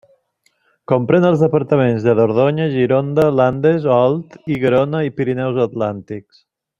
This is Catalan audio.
Comprèn els departaments de Dordonya, Gironda, Landes, Olt i Garona i Pirineus Atlàntics.